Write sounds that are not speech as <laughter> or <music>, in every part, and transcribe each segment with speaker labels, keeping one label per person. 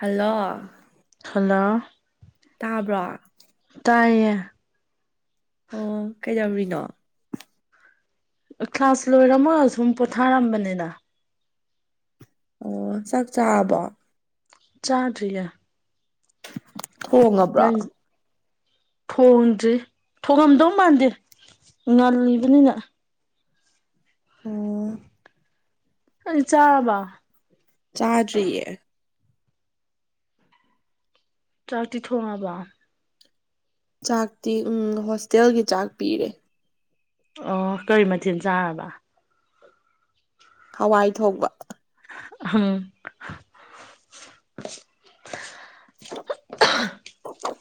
Speaker 1: hello
Speaker 2: ꯈꯂ
Speaker 1: ꯇꯥꯕ꯭ꯔꯣ
Speaker 2: ꯇ
Speaker 1: ꯑꯣ ꯀꯩꯗꯧꯔꯤꯅꯣ
Speaker 2: ꯀ꯭ꯂꯥꯁ ꯂꯣꯏꯔꯝꯃꯒ ꯁꯨꯝ ꯄꯣꯊꯥꯔꯝꯕꯅꯤꯅ
Speaker 1: ꯑꯣ ꯆꯥꯛ ꯆꯥꯕ
Speaker 2: ꯆꯥꯗꯔꯤꯌꯥ
Speaker 1: ꯍꯣꯡꯉꯕ꯭ꯔꯥ
Speaker 2: ꯊꯣꯡꯗ꯭ꯔꯤ ꯊꯣꯡꯉꯝꯗꯧ ꯃꯥꯟꯗꯦ ꯉꯜꯂꯤꯕꯅꯤꯅ
Speaker 1: ꯑꯣ
Speaker 2: ꯑꯩ ꯆꯥꯕ
Speaker 1: ꯆꯥꯖꯔꯤꯌꯦ
Speaker 2: ꯆꯥꯛꯇꯤ ꯊꯣꯡꯉꯕ
Speaker 1: ꯆꯥꯛꯇꯤ ꯎ ꯍꯣꯁꯇꯦꯜꯒꯤ ꯆꯥꯛ ꯄꯤꯔꯦ
Speaker 2: ꯑꯣ ꯀꯔꯤ ꯃꯊꯦꯜ ꯆꯥꯔꯕ
Speaker 1: ꯍꯋꯥꯏ ꯊꯣꯛꯄ
Speaker 2: ꯎꯝ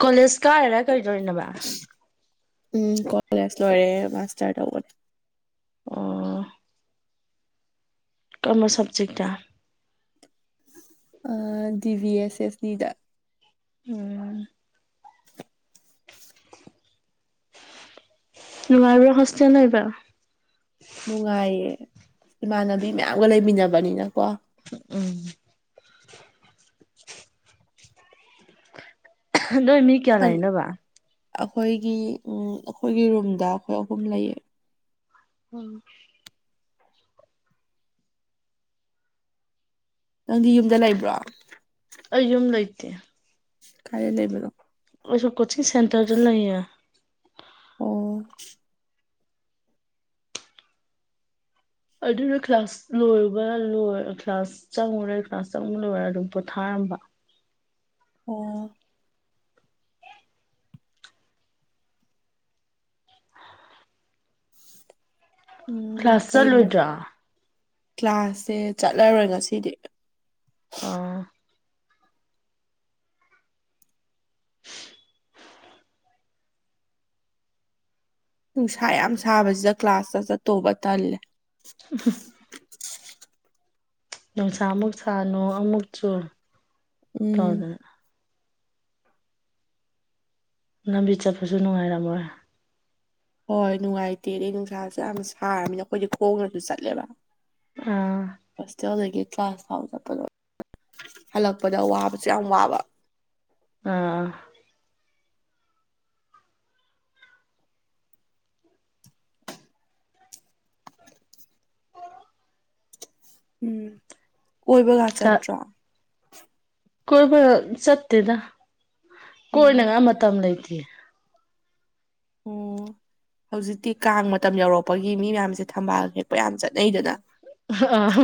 Speaker 2: ꯀꯣꯂꯦꯖ ꯀꯥꯔꯦꯔ ꯀꯩꯗꯧꯔꯤꯕ
Speaker 1: ꯎꯝ ꯀꯂꯦꯖ ꯂꯣꯏꯔꯦ ꯃꯥꯇꯔꯗ
Speaker 2: ꯀꯃꯔꯁ ꯁꯕꯖꯦꯛ
Speaker 1: ꯑ ꯗꯤꯚ ꯑꯦꯁ ꯑꯦꯁ ꯗ
Speaker 2: ꯎꯝ ꯅꯅꯨꯡꯉꯥꯏꯔꯤꯕ꯭ꯔ ꯍꯁꯌꯥ ꯅꯣꯏꯕꯕꯥ
Speaker 1: ꯅꯨꯡꯉꯥꯏꯌꯦ ꯏꯃꯥꯟꯅꯕꯤ ꯃꯌꯥꯝꯒ ꯂꯩꯃꯤꯟꯅꯕꯅꯤꯅꯀꯣ
Speaker 2: ꯎꯝ ꯅꯣꯏ ꯃꯤ ꯀꯌꯥ ꯂꯩꯔꯤꯅꯕ
Speaker 1: ꯑꯩꯈꯣꯏꯒꯤ ꯎ ꯑꯩꯈꯣꯏꯒꯤ ꯔꯨꯝꯗ ꯑꯩꯈꯣꯏ ꯑꯍꯨꯝ ꯂꯩꯌꯦ
Speaker 2: ꯎꯝ
Speaker 1: ꯅꯪꯗꯤ ꯌꯨꯝꯗ ꯂꯩꯕ꯭ꯔꯣ
Speaker 2: ꯑꯩ ꯌꯨꯝ ꯂꯩꯇꯦ
Speaker 1: ꯀꯥꯏ ꯂꯩꯕꯤꯔꯣ
Speaker 2: ꯑꯩꯁꯨ ꯀꯣꯆꯤꯡ ꯁꯦꯟꯇꯔꯗ ꯂꯩꯌꯦ
Speaker 1: ꯑꯣ
Speaker 2: ꯑꯗꯨꯅ ꯀ꯭ꯂꯥꯁ ꯂꯣꯏꯕ ꯂꯣꯏ ꯀ꯭ꯂꯥꯁ ꯆꯪꯉꯨꯔꯦ ꯀ꯭ꯂꯥꯁ ꯆꯪꯉ ꯂꯣꯏꯔꯦ ꯑꯗꯨꯝ ꯄꯣꯊꯥꯔ ꯏꯝꯕ
Speaker 1: ꯑꯣ ꯎꯝ
Speaker 2: ꯀ꯭ꯂꯥꯁ ꯆ
Speaker 1: ꯀꯩ ꯃ
Speaker 2: ꯂꯣꯏꯇ꯭ꯔꯥ
Speaker 1: ꯀ꯭ꯂꯥꯁꯁꯦ ꯆꯠꯂꯔꯣꯏ ꯉꯁꯤꯗꯤ
Speaker 2: ꯑ
Speaker 1: ꯅꯨꯡꯁꯥ ꯌꯥꯝ ꯁꯥꯕꯁꯤꯗ ꯀ꯭ꯂꯥꯁꯇ ꯆꯠꯇꯧꯕ ꯇꯜꯂꯦ
Speaker 2: ꯎ ꯅꯨꯡꯁꯥ ꯑꯃꯨꯛ ꯁꯥꯅꯨ ꯑꯃꯨꯛ ꯆꯨ
Speaker 1: ꯎꯝ
Speaker 2: ꯇꯧꯗꯅ ꯂꯝꯕꯤ ꯆꯠꯄꯁꯨ ꯅꯨꯡꯉꯥꯏꯔꯝꯃꯣꯏ
Speaker 1: ꯍꯣꯏ ꯅꯨꯡꯉꯥꯏꯇꯦ ꯑ ꯅꯨꯡꯁꯥꯁꯨ ꯌꯥꯝ ꯁꯥꯔꯕꯃꯤꯅꯤꯅ ꯑꯩꯈꯣꯏꯗꯤ ꯈꯣꯡꯅꯁꯨ ꯆꯠꯂꯦꯕ
Speaker 2: ꯑꯥ
Speaker 1: ꯏꯆꯦꯜꯗꯒꯤ ꯀ꯭ꯂꯥꯁ ꯐꯥꯎ ꯆꯠꯄꯗꯣ ꯍꯜꯂꯛꯄꯗꯥ ꯋꯥꯕꯁꯨ ꯌꯥꯝ ꯋꯥꯕ
Speaker 2: ꯑꯥ
Speaker 1: ꯎꯝ ꯀꯣꯏꯕꯒꯥ
Speaker 2: ꯀ
Speaker 1: ꯆꯠꯇ꯭ꯔꯣ
Speaker 2: ꯀꯣꯏꯕ ꯆꯠꯇꯦꯗ
Speaker 1: ꯎꯝ
Speaker 2: ꯀꯣꯏꯅꯉꯥꯏ ꯃꯇꯝ ꯂꯩꯇꯦ
Speaker 1: ꯎꯝ ꯍꯧꯖꯤꯛꯇꯤ ꯀꯥꯡ ꯃꯇꯝ ꯌꯧꯔꯛꯄꯒꯤ ꯃꯤ ꯃꯌꯥꯝꯁꯦ ꯊꯝꯕꯥꯜ ꯍꯦꯛꯄ ꯌꯥꯝ ꯆꯠꯅꯩꯗꯅ
Speaker 2: ꯑꯥ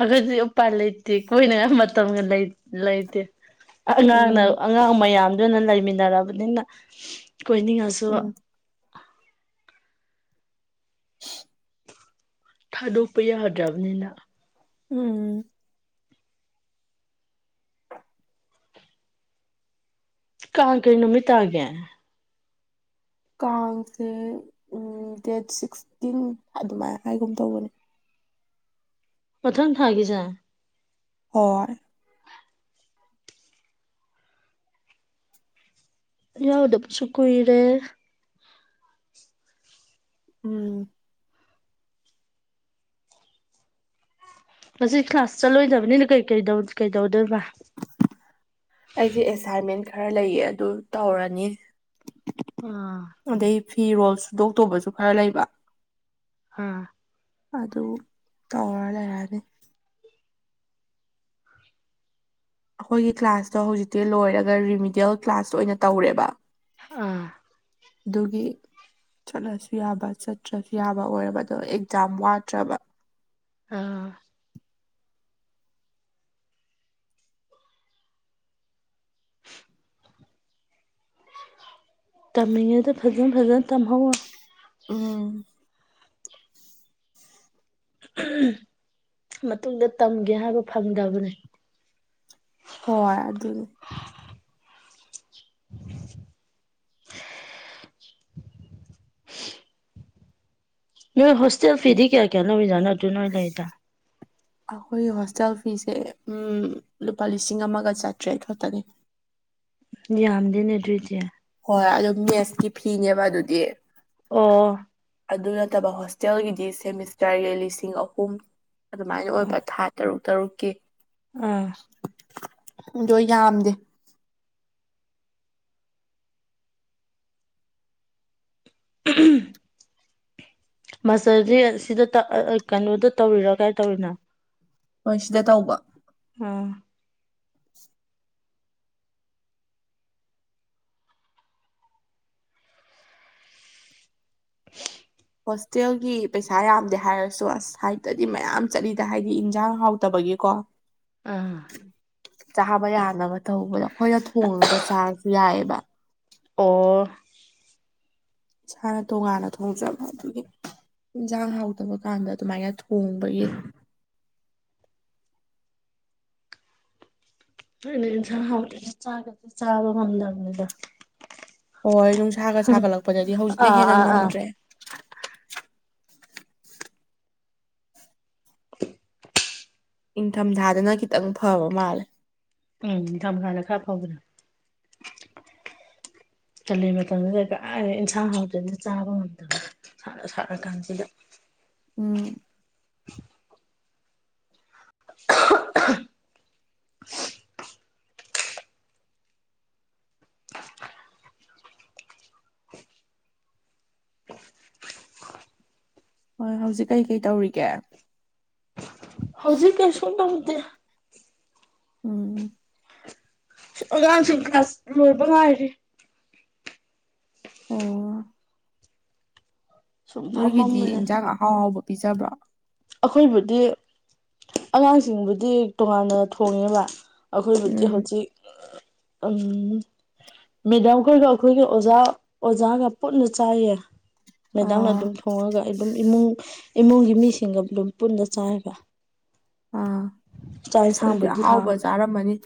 Speaker 2: ꯑꯗꯨꯗꯤ ꯎꯄꯥ ꯂꯩꯇꯦ ꯀꯣꯏꯅꯉꯥꯏ ꯃꯇꯝꯒ ꯂꯩꯇꯦ ꯑꯉꯥꯡꯅ
Speaker 1: ꯎꯝ
Speaker 2: ꯑꯉꯥꯡ ꯃꯌꯥꯝ ꯑꯗꯨꯅ ꯂꯩꯃꯤꯟꯅꯔꯕꯅꯤꯅ ꯀꯣꯏꯅꯤꯡꯉꯁꯨ
Speaker 1: ꯎꯝ
Speaker 2: ꯊꯥꯗꯣꯛꯄ ꯌꯥꯗ꯭ꯔꯕꯅꯤꯅ
Speaker 1: ꯎꯝ
Speaker 2: ꯀꯥꯜ ꯀꯩ ꯅꯨꯃꯤꯠꯇꯒꯦ
Speaker 1: ꯀꯥꯡꯁꯦ ꯗꯦꯠ ꯁꯤꯛꯁꯇꯤꯟ ꯑꯗꯨꯃꯥꯏꯅ ꯍꯥꯏꯒꯨꯝ ꯇꯧꯕꯅꯤ
Speaker 2: ꯄꯊꯪ ꯊꯥꯒꯁꯦ
Speaker 1: ꯍꯣꯏ
Speaker 2: ꯌꯥꯗ ꯄꯨꯁꯨ ꯀꯨꯏꯔꯦ
Speaker 1: ꯎꯝ
Speaker 2: ꯉꯁꯤ ꯀ꯭ꯂꯥꯁ ꯆꯠꯂꯣꯏꯗꯕꯅꯤꯅ ꯀꯩ ꯀ ꯀꯩꯗꯧꯗꯣꯏꯔꯤꯕ
Speaker 1: ꯑꯩꯁꯦ ꯑꯦꯁꯥꯏꯟꯃꯦꯟ ꯈꯔ ꯂꯩꯌꯦ ꯑꯗꯨ ꯇꯧꯔꯅꯤ
Speaker 2: ꯑꯥ
Speaker 1: ꯑꯗꯩ ꯐꯤꯔꯣꯜ ꯁꯨꯗꯣꯛꯇꯕꯁꯨ ꯈꯔ ꯂꯩꯕ
Speaker 2: ꯑꯥ
Speaker 1: ꯑꯗꯨ ꯇꯧꯔ ꯂꯩꯔꯅꯤ ꯑꯩꯈꯣꯏꯒꯤ ꯀ꯭ꯂꯥꯁꯇꯣ ꯍꯧꯖꯤꯛꯇꯤ ꯂꯣꯏꯔꯒ ꯔꯤꯃꯤꯗꯤꯌꯦꯜ ꯀ꯭ꯂꯥꯁꯇ ꯑꯣꯏꯅ ꯇꯧꯔꯦꯕ
Speaker 2: ꯑꯥ
Speaker 1: ꯑꯗꯨꯒꯤ ꯆꯠꯂꯁꯨ ꯌꯥꯕ ꯆꯠꯇ꯭ꯔꯁꯨ ꯌꯥꯕ ꯑꯣꯏꯔꯕꯗꯣ ꯑꯦꯛꯖꯥꯝ ꯋꯥꯠꯇ꯭ꯔꯕ
Speaker 2: ꯑꯥ ꯇꯝꯦꯗ ꯐꯖꯡ ꯐꯖꯅ ꯇꯝꯍꯧꯣ
Speaker 1: ꯎꯝ
Speaker 2: ꯃꯇꯨꯡꯗ ꯇꯝꯒꯦ ꯍꯥꯏꯕ ꯐꯪꯗꯕꯅꯦ
Speaker 1: ꯍꯣꯏ ꯑꯗꯨꯅꯤ
Speaker 2: <inaudible> <inaudible> ꯅꯣꯏ ꯍꯣꯁꯇꯦꯜ ꯐꯤꯗꯤ ꯀꯌꯥ ꯀꯌꯥ ꯅꯣꯏꯣꯏꯖꯥꯅꯣ ꯑꯗꯨ ꯅꯣꯏ ꯂꯩꯗ
Speaker 1: ꯑꯩꯈꯣꯏꯒꯤ ꯍꯣꯁꯇꯦꯜ ꯐꯤꯁꯦ ꯂꯨꯄꯥ ꯂꯤꯁꯤꯡ ꯑꯃꯒ ꯆꯥꯇ꯭ꯔꯦꯠ ꯈꯛꯇꯅꯤ <inaudible>
Speaker 2: ꯌꯥꯝꯝꯗꯅ ꯑꯦꯇ꯭ꯔꯤ ꯆꯦ
Speaker 1: ꯍꯣꯏ ꯑꯗꯨꯣ ꯃꯦꯠꯁꯀꯤ ꯐꯤꯅꯦꯕ ꯑꯗꯨꯗꯤ
Speaker 2: ꯑꯣ
Speaker 1: ꯑꯗꯨ ꯅꯠꯇꯕ ꯍꯣꯁꯇꯦꯜꯒꯤꯗꯤ ꯁꯦꯃꯤꯁꯇꯔꯒꯤ ꯂꯤꯁꯤꯡ ꯑꯍꯨꯝ ꯑꯗꯨꯃꯥꯏꯅ ꯑꯣꯏꯕ ꯊꯥ ꯇꯔꯨꯛ ꯇꯔꯨꯛꯀꯤ
Speaker 2: ꯑꯥ
Speaker 1: ꯑꯗꯨꯗꯣ ꯌꯥꯝꯗꯦ
Speaker 2: <inaudible> ꯃꯥꯁꯇꯔꯗꯤ ꯁꯤꯗ ꯀꯩꯅꯣꯗ ꯇꯧꯔꯤꯔꯥ ꯀꯥꯏ ꯇꯧꯔꯤꯅ
Speaker 1: ꯍꯣꯏ ꯁꯤꯗ ꯇꯧꯕ
Speaker 2: ꯑꯥ <inaudible>
Speaker 1: ꯍꯣꯁꯇꯦꯜꯒꯤ ꯄꯩꯁꯥ ꯌꯥꯝꯗꯦ ꯍꯥꯏꯔꯁꯨ ꯑꯁ ꯍꯥꯏꯗꯗꯤ ꯃꯌꯥꯝ ꯆꯠꯂꯤꯗ ꯍꯥꯏꯗꯤ ꯌꯦꯟꯖꯥꯡ ꯍꯥꯎꯇꯕꯒꯤꯀꯣ
Speaker 2: ꯑꯥ
Speaker 1: ꯆꯥꯕ ꯌꯥꯅꯕ ꯇꯧꯕꯗꯣ ꯑꯩꯈꯣꯏꯅ ꯊꯣꯡꯉꯒ ꯆꯥꯔꯁꯨ ꯌꯥꯏꯑꯕ
Speaker 2: ꯑꯣ
Speaker 1: ꯏꯁꯥꯅ ꯇꯣꯉꯥꯟꯅ ꯊꯣꯡꯖꯕ ꯑꯗꯨꯒꯤ ꯖꯥꯡ ꯍꯥꯎꯗꯕ ꯀꯥꯟꯗ ꯑꯗꯨ ꯃꯥꯥꯏ ꯊ ꯊꯣꯡꯕ ꯌꯦ
Speaker 2: ꯏꯁ ꯆꯥꯒ ꯆꯥꯕ ꯉꯝꯗꯅꯤꯗ
Speaker 1: ꯍꯣꯏ ꯅꯨꯡꯁꯥꯒ ꯁꯥꯒꯠꯂꯛꯄꯗꯗꯤ ꯍꯧꯖꯤꯛꯅ
Speaker 2: ꯑꯥ
Speaker 1: ꯍꯦꯟꯅ
Speaker 2: ꯑꯥ ꯑꯥ
Speaker 1: ꯉꯝꯗ꯭ꯔꯦ
Speaker 2: <inaudible>
Speaker 1: ꯅꯤꯡꯪꯊꯝꯊꯥꯗꯅ ꯈꯤꯇꯪ ꯐꯕ ꯃꯥꯜꯂꯦ
Speaker 2: ꯎꯝ ꯅꯤꯡꯊꯈꯥꯗ ꯈꯔ ꯐꯥꯎꯗ꯭ꯔꯥ
Speaker 1: <inaudible>
Speaker 2: ꯀꯜꯂꯤ ꯃꯇꯝꯗꯨꯗ ꯏꯟꯁꯥꯡ ꯍꯥꯎꯗ꯭ꯔꯗꯤ ꯆꯥꯕ ꯉꯝꯗꯕ ꯁꯥꯔ ꯀꯥꯟꯁꯤꯗ
Speaker 1: ꯎꯝ ꯍꯣꯏ ꯍꯧꯖꯤꯛ ꯀꯩꯀꯩ ꯇꯧꯔꯤꯒꯦ
Speaker 2: ꯍꯧꯖꯤ ꯀ ꯌꯁꯀꯟꯕꯗꯦ
Speaker 1: ꯎꯝ
Speaker 2: ꯑꯉꯥꯡꯁꯨ ꯀ꯭ꯂꯥꯁ ꯂꯣꯏꯕ ꯉꯥꯏꯔꯦ
Speaker 1: ꯑꯣ
Speaker 2: ꯁꯨꯝ
Speaker 1: ꯅꯣꯏꯒꯤꯗꯤ
Speaker 2: ꯐꯝꯃꯝꯕꯅꯦ
Speaker 1: ꯏꯟꯁꯥꯡ ꯑꯍꯥꯎ ꯑꯍꯥꯎꯕ ꯄꯤꯖꯕ꯭ꯔꯣ
Speaker 2: ꯑꯩꯈꯣꯏꯕꯨꯗꯤ ꯑꯉꯥꯡꯁꯤꯡꯕꯨꯗꯤ ꯇꯣꯉꯥꯟꯅ ꯊꯣꯡꯉꯦꯕ ꯑꯩꯈꯣꯏꯕꯨꯗꯤ
Speaker 1: ꯎꯝ
Speaker 2: ꯍꯧꯖꯤꯛ ꯎꯝ ꯃꯦꯗꯥꯝꯈꯣꯏꯒ ꯑꯩꯈꯣꯏꯒꯤ ꯑꯣꯖꯥ ꯑꯣꯖꯥꯒ ꯄꯨꯟꯅ ꯆꯥꯏꯌꯦ ꯃꯦꯗꯥꯝꯅ
Speaker 1: ꯑꯣ
Speaker 2: ꯑꯗꯨꯝ ꯊꯣꯡꯉꯒ ꯑꯩ ꯑꯗꯨꯝ ꯏꯃꯨꯡ ꯏꯃꯨꯡꯒꯤ ꯃꯤꯁꯤꯡꯒ ꯑꯗꯨꯝ ꯄꯨꯟꯗ ꯆꯥꯏꯕ
Speaker 1: ꯑꯥ
Speaker 2: ꯆꯥꯏꯁ
Speaker 1: ꯑꯁ ꯑꯗꯨꯗꯤ
Speaker 2: ꯍꯥꯡꯕꯕꯨꯙ ꯍꯥ
Speaker 1: ꯑꯍꯥꯎꯕ ꯆꯥꯔꯝꯃꯅꯤ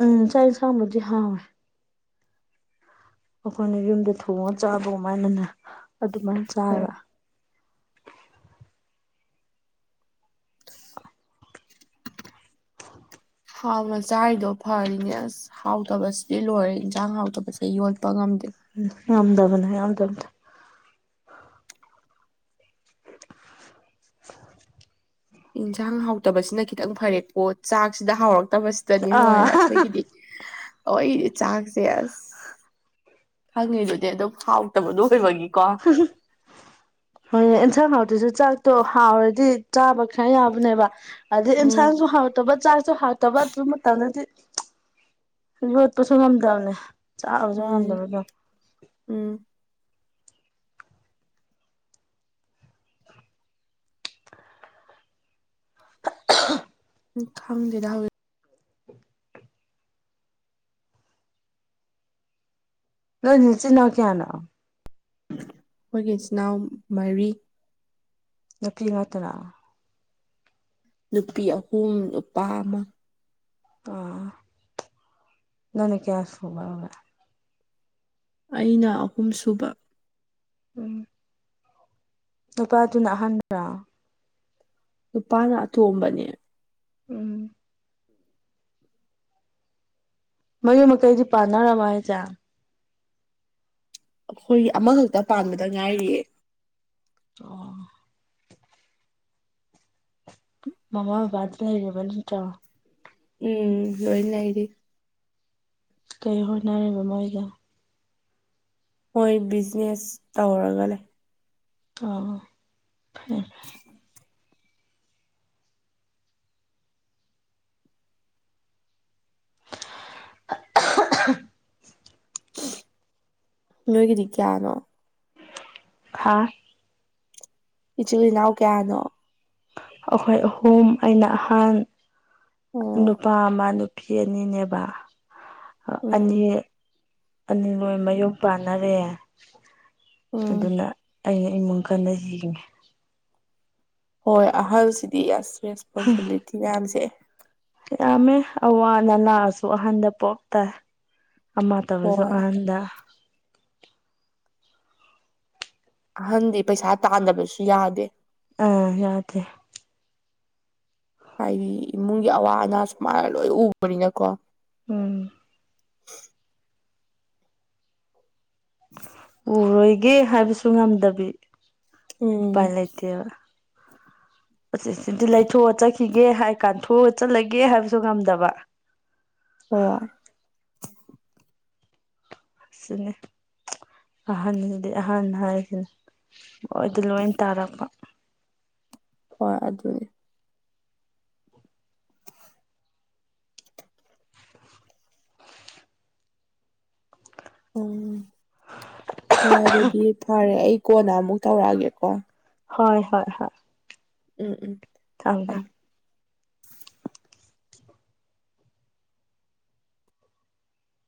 Speaker 2: ꯎꯝ ꯁꯥꯏꯟꯁꯥꯡꯕꯖꯤ ꯍꯥ ꯑꯩꯈꯣꯏꯅ ꯌꯨꯝꯗ ꯊꯣꯡꯉꯣ ꯆꯥꯕꯧꯃꯥꯏꯅꯅ ꯑꯗꯨꯃꯥꯏꯅ
Speaker 1: ꯑꯣ
Speaker 2: ꯆꯥꯕ
Speaker 1: ꯍꯥꯎ ꯃꯆꯥꯔꯤꯗꯣ ꯐꯔꯤꯅꯦ ꯑꯁ ꯍꯥꯎꯇꯕꯁꯤꯗꯤ ꯂꯣꯏꯔꯦ ꯌꯦꯟꯁꯥꯡ ꯍꯥꯎꯇꯕꯁꯦ ꯌꯣꯠꯄ ꯉꯝꯗꯦ
Speaker 2: ꯌꯥꯝꯝꯗꯕꯅꯦ ꯌꯥꯝꯗꯗ <inaudible>
Speaker 1: ꯏꯟꯁꯥꯡ ꯍꯥꯎꯇꯕꯁꯤꯅ ꯈꯤꯇꯪ ꯐꯔꯦꯀꯣ ꯆꯥꯛꯁꯤꯗ ꯍꯥꯎꯔꯛ ꯇꯕꯁꯤꯗꯅꯤ
Speaker 2: ꯑꯥ
Speaker 1: ꯂꯣꯏꯉꯔꯦ ꯑꯩꯈꯣꯏꯒꯤꯗꯤ ꯑꯣ ꯑꯩꯗꯤ ꯆꯥꯛꯁꯦ ꯑꯁ ꯈꯪꯉꯤꯗꯨꯗꯤ ꯑꯗꯣ ꯍꯥꯎꯇꯕꯗꯣ ꯑꯣꯏꯕꯒꯤ
Speaker 2: ꯍꯣꯏ ꯆ ꯍꯥꯎ ꯇꯁꯨ ꯆꯤꯟꯖꯥꯛꯇꯣ ꯍꯥꯎꯔꯗꯤ ꯆꯥꯕ ꯈꯔ ꯌꯥꯕꯅꯦꯕ ꯑꯗꯨꯗꯩ
Speaker 1: ꯎꯝ
Speaker 2: ꯏꯟꯁꯥꯡꯁꯨ ꯍꯥꯎꯇꯕ ꯆꯥꯛꯁꯨ ꯍꯥꯎꯇꯕ ꯑꯗꯨ ꯃꯇꯝꯗꯗꯤ ꯍꯧꯖꯤꯕ ꯄꯁꯨ ꯊꯝꯗꯅꯦ ꯆꯥꯛꯕꯁꯨ
Speaker 1: ꯎꯝ
Speaker 2: ꯉꯝꯗꯕꯗꯣ
Speaker 1: ꯎꯝ
Speaker 2: <unintelligible>
Speaker 1: ꯎꯝ ꯈꯪꯗꯦꯗ ꯍꯧꯋ
Speaker 2: ꯅꯣꯏꯅꯤꯁꯤꯟꯅ ꯀꯌꯥꯅ
Speaker 1: ꯑꯩꯈꯣꯏꯒꯤ ꯏꯆꯤꯟ ꯏꯅꯥꯎ ꯃꯔꯤ
Speaker 2: ꯅꯄꯤꯤ ꯉꯇꯔ
Speaker 1: ꯅꯨꯄꯤ ꯑꯍꯨꯝ ꯅꯨꯄꯥ ꯑꯃ
Speaker 2: ꯑꯥ ꯅꯅ ꯀꯁꯕꯒ
Speaker 1: ꯑꯩꯅ ꯑꯍꯨꯝ ꯁꯨꯕ
Speaker 2: ꯎꯝ ꯅꯨꯨꯄꯥꯗꯨꯅ ꯑꯍꯟꯗ꯭ꯔꯥ
Speaker 1: ꯅꯨꯄꯥꯅ ꯑꯇꯣꯝꯕꯅꯦ
Speaker 2: ꯎꯝ ꯃꯌꯨꯝ ꯃꯀꯩꯗꯤ ꯄꯥꯟꯅꯔꯝꯃ ꯍꯥꯏꯁꯦ
Speaker 1: ꯑꯩꯈꯣꯏꯒꯤ ꯑꯃꯈꯛꯇ ꯄꯥꯟꯕꯗ ꯉꯥꯏꯔꯤꯌꯦ
Speaker 2: ꯑꯣ ꯃꯃꯥꯕꯨ ꯗ ꯂꯩ ꯂꯩꯔꯦꯕꯅꯤꯇꯣ
Speaker 1: ꯎꯝ ꯂꯣꯏꯅꯏꯗꯤ
Speaker 2: ꯀꯩ ꯍꯣꯠꯅꯔꯤꯕ ꯃꯣꯏꯒ
Speaker 1: ꯃꯣꯏ ꯕꯤꯖꯤꯅꯦꯁ ꯇꯧꯔꯒ ꯂꯩ
Speaker 2: ꯑ ꯐꯔ <unintelligible>
Speaker 1: ꯅꯣꯏꯒꯤꯗꯤ ꯀꯌꯥꯅꯣ
Speaker 2: ꯍꯥꯥ
Speaker 1: ꯏꯆꯤꯜ ꯏꯅꯥꯎ ꯀꯌꯥꯅꯣ
Speaker 2: ꯑꯩꯈꯣꯏ ꯑꯍꯨꯝ ꯑꯩꯅ ꯑꯍꯟ
Speaker 1: ꯑꯣ
Speaker 2: ꯅꯨꯄꯥ ꯑꯃ ꯐꯤꯅꯤꯅꯦꯕ ꯑꯅꯤ
Speaker 1: ꯎꯝ
Speaker 2: ꯑꯅꯤ ꯂꯣꯏ ꯃꯌꯨꯝ ꯄꯥꯟꯅꯔꯦ
Speaker 1: ꯎꯝ
Speaker 2: ꯑꯗꯨꯅ ꯑꯩꯅ ꯏꯃꯨꯡ ꯀꯟꯅ ꯌꯦꯡꯉꯤ
Speaker 1: ꯍꯣꯏ ꯑꯍꯜꯁꯤꯗꯤ ꯑꯁ ꯔꯦꯁꯄꯣꯟꯁꯤꯕꯤꯂꯤꯇꯤ ꯃꯌꯥꯝꯁꯦ
Speaker 2: ꯌꯥꯝꯃꯦ ꯑꯋꯥ ꯑ ꯅꯅꯥꯁꯨ ꯑꯍꯟꯗ ꯄꯣꯛ ꯇꯥꯏ ꯑꯃ ꯇꯕꯁꯨ
Speaker 1: ꯍꯣꯏ
Speaker 2: ꯑꯍꯟꯗ
Speaker 1: ꯑꯍꯟꯗꯤ ꯄꯩꯁꯥ ꯇꯥꯟꯗꯕꯁꯨ ꯌꯥꯗꯦ
Speaker 2: ꯑꯥ ꯌꯥꯎꯗꯦ
Speaker 1: ꯍꯥꯏꯗꯤ ꯏꯃꯨꯡꯒꯤ ꯑꯋꯥ ꯑꯅꯥ ꯁꯨꯃꯥꯏꯅ ꯂꯣꯏ ꯎꯕꯅꯤꯅꯀꯣ
Speaker 2: ꯎꯝ ꯎꯔꯣꯏꯒꯦ ꯍꯥꯏꯕꯁꯨ ꯉꯝꯗꯕꯤ
Speaker 1: ꯎꯝ
Speaker 2: ꯄꯥ ꯂꯩꯇꯕ
Speaker 1: <unintelligible>
Speaker 2: ꯑꯁ ꯁꯤꯗꯤ ꯂꯩꯊꯣꯛꯑ ꯆꯠꯈꯤꯒꯦ ꯍꯥꯏ ꯀꯥꯟꯊꯣꯛꯑ ꯆꯠꯂꯒꯦ ꯍꯥꯏꯕꯁꯨ ꯉꯝꯗꯕ
Speaker 1: ꯍ
Speaker 2: ꯑꯁꯤꯅꯤ ꯑꯍꯟꯁꯤꯗꯤ ꯑꯍꯥꯟꯕ ꯍꯥꯏꯁꯤꯅꯦ ꯣꯏ ꯑꯗꯨ ꯂꯣꯏ ꯇꯥꯔꯛꯄ
Speaker 1: ꯍꯣꯏ ꯑꯗꯨꯅꯦ ꯎꯝ ꯍꯣꯏ ꯑꯗꯨꯗꯤ ꯐꯔꯦ ꯑꯩ ꯀꯣꯟꯅ ꯑꯃꯨꯛ ꯇꯧꯔꯛꯑꯒꯦꯀꯣ
Speaker 2: ꯍꯣꯏ ꯍꯣꯏ ꯍꯣꯏ
Speaker 1: ꯎꯝ ꯎꯝ
Speaker 2: ꯊꯗ
Speaker 1: ꯊꯝꯃꯦ